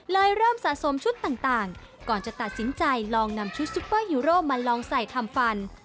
เริ่มสะสมชุดต่างก่อนจะตัดสินใจลองนำชุดซุปเปอร์ฮีโร่มาลองใส่ทำฟัน